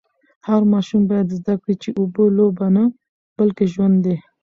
هر ماشوم باید زده کړي چي اوبه لوبه نه بلکې ژوند دی.